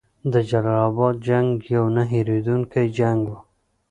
د جلال اباد جنګ یو نه هیریدونکی جنګ وو.